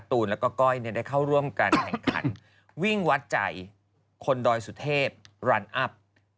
ตูนแล้วก็ก้อยได้เข้าร่วมการแข่งขันวิ่งวัดใจคนดอยสุเทพรันอัพ